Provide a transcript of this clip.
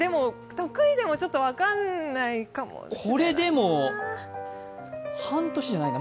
得意でも、ちょっと分かんないかもしれないな。